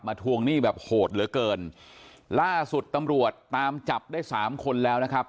ทวงหนี้แบบโหดเหลือเกินล่าสุดตำรวจตามจับได้สามคนแล้วนะครับ